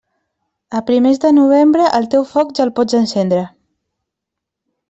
A primers de Novembre, el teu foc ja el pots encendre.